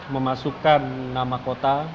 memasukkan nama kota